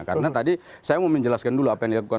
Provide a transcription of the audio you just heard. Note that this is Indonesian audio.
karena tadi saya mau menjelaskan dulu apa yang dilakukan